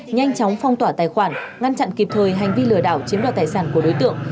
nhanh chóng phong tỏa tài khoản ngăn chặn kịp thời hành vi lừa đảo chiếm đoạt tài sản của đối tượng